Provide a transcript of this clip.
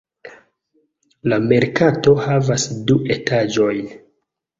La merkato havas du etaĝojn.